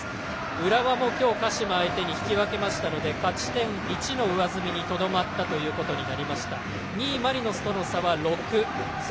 浦和も今日、鹿島相手に引き分けましたので勝ち点１の上積みにとどまり２位マリノスとの差は６。